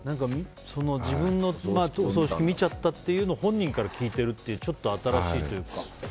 自分のお葬式を見ちゃったって本人から聞いてるってちょっと新しいというか。